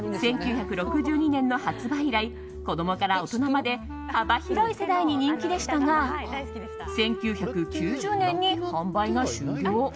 １９６２年の発売以来子供から大人まで幅広い世代に人気でしたが１９９０年に販売が終了。